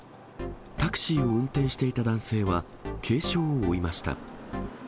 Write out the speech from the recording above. タクシーを運転していた男性は軽傷を負いました。